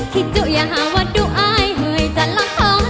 คิดจะอย่าหาว่าดูอายเฮยจะร้องพอ